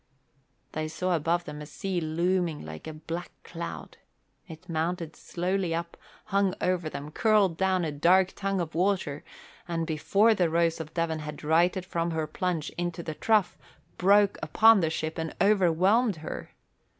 They saw above them a sea looming like a black cloud. It mounted slowly up, hung over them, curled down a dark tongue of water and, before the Rose of Devon had righted from her plunge into the trough, broke upon the ship and overwhelmed her.